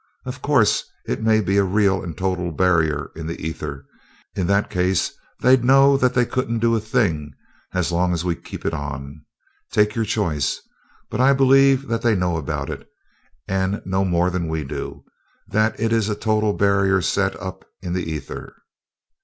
Of course it may be a real and total barrier in the ether in that case they'd know that they couldn't do a thing as long as we keep it on. Take your choice, but I believe that they know about it, and know more than we do that it is a total barrier set up in the ether."